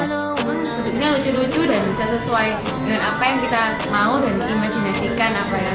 bentuknya lucu lucu dan bisa sesuai dengan apa yang kita mau dan imajinasikan apa ya